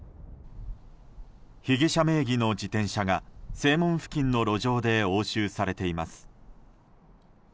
被疑者名義の自転車が正門付近の路上で押収されています。